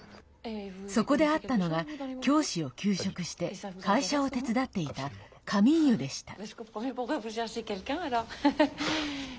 そこで会ったのが教師を休職して会社を手伝っていたカミーユでした。